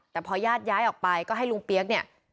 แต่พอญาติย้ายออกไปก็ให้ลุงเปี๊ยกเนี่ย